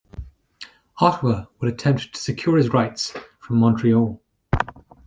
Ottawa would attempt to secure his rights from Montreal.